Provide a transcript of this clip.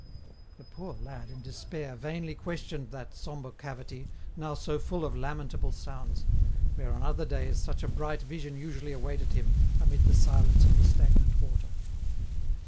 The poor lad, in despair, vainly questioned that sombre cavity, now so full of lamentable sounds, where, on other days, such a bright vision usually awaited him amid the silence of the stagnant water.